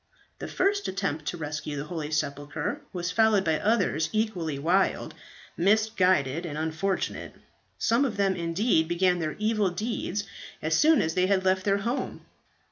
"This first attempt to rescue the holy sepulchre was followed by others equally wild, misguided, and unfortunate. Some of them indeed began their evil deeds as soon as they had left their home.